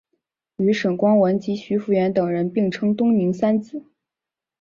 与沈光文及徐孚远等人并称东宁三子。